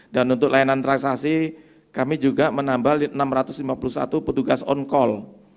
dan untuk layanan transaksi kami juga menambah enam ratus lima puluh satu petugas on call